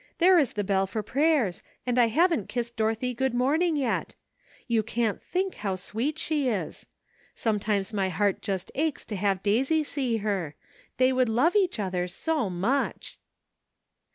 There is the bell for prayers, and I haven't kissed Dorothy good morning yet. You can't think how sweet she is. Sometimes my heart just aches to have Daisy see her ; they would love each other so much